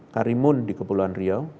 karimun di kepulauan riau